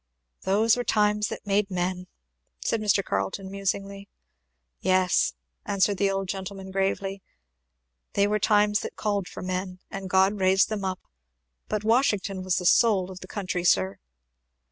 "Those were times that made men," said Mr. Carleton musingly. "Yes," answered the old gentleman gravely, "they were times that called for men, and God raised them up. But Washington was the soul of the country, sir!"